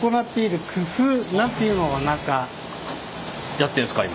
やってんですか今。